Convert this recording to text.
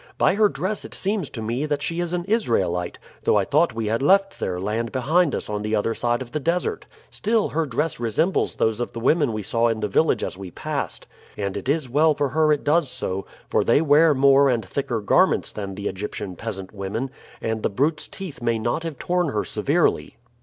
"By her dress it seems to me that she is an Israelite, though I thought we had left their land behind us on the other side of the desert. Still her dress resembles those of the women we saw in the village as we passed, and it is well for her it does so, for they wear more and thicker garments than the Egyptian peasant women, and the brute's teeth may not have torn her severely."